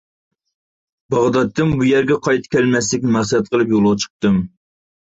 باغدادتىن بۇ يەرگە قايتا كەلمەسلىكنى مەقسەت قىلىپ يولغا چىقتىم.